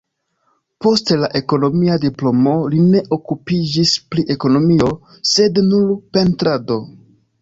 Post la ekonomia diplomo li ne okupiĝis pri ekonomio, sed nur pentrado.